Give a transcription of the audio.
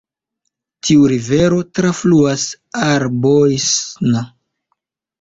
Tiu rivero trafluas Arbois-n.